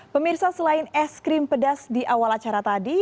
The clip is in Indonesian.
pemirsa selain es krim pedas di awal acara tadi